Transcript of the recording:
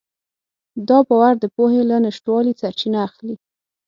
دا باور د پوهې له نشتوالي سرچینه اخلي.